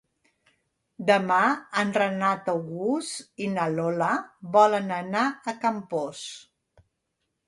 Demà en Renat August i na Lola volen anar a Campos.